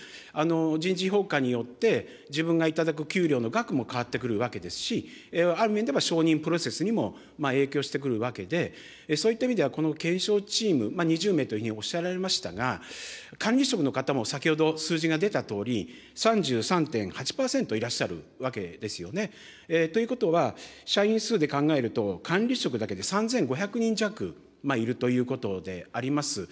人事評価によって、自分が頂く給料の額も変わってくるわけですし、ある面では昇任プロセスにも影響してくるわけで、そういった意味では、この検証チーム、２０名というふうにおっしゃられましたが、管理職の方も、先ほど数字が出たとおり、３３．８％いらっしゃるわけですよね。ということは、社員数で考えると、管理職だけで３５００人弱いるということであります。